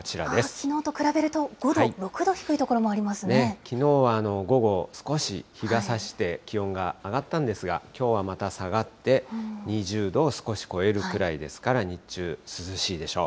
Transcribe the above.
きのうと比べると５度、きのうは午後、少し日がさして気温が上がったんですが、きょうはまた下がって、２０度を少し超えるくらいですから、日中、涼しいでしょう。